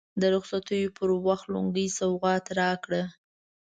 د رخصتېدو پر وخت لونګۍ سوغات راکړه.